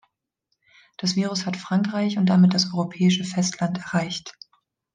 Das Virus hat Frankreich und damit das europäische Festland erreicht.